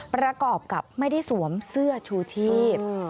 ประกอบกับไม่ได้สวมเสื้อชูชีพ